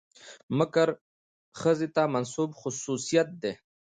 مکر ښځې ته منسوب خصوصيت دى.